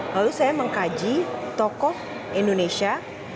lalu saya mengkaji tokoh indonesia